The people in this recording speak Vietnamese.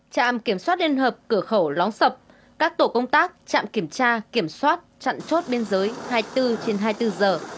trạm kiểm soát liên hợp cửa khẩu lóng sập các tổ công tác trạm kiểm tra kiểm soát chặn chốt biên giới hai mươi bốn trên hai mươi bốn giờ